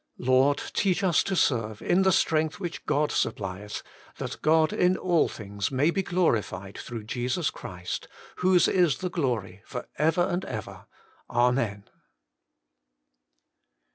5. Lord ! teach us to serve in the strength which God supplieth, that God in all things may be glorified through Jesus Christ, whose is the glory for ever and ever. Amen.